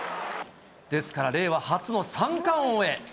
ですから令和初の三冠王へ。